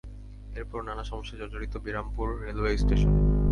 এরপরও নানা সমস্যায় জর্জরিত বিরামপুর রেলওয়ে স্টেশন।